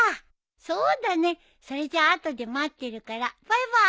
そうだねそれじゃ後で待ってるからバイバイ！